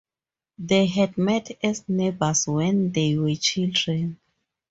They had met as neighbors when they were children.